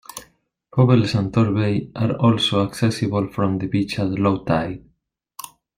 Pobbles and Tor Bay are also accessible from the beach at low tide.